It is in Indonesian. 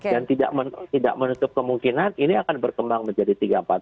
dan tidak menutup kemungkinan ini akan berkembang menjadi tiga ratus empat puluh